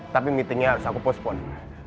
tapi meetingnya harus aku postpone